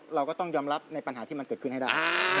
เราก็ต้องยอมรับในปัญหาที่มันเกิดขึ้นให้ได้